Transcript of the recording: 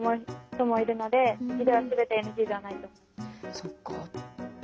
そっか。